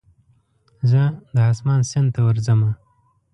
زه د اسمان سیند ته ورځمه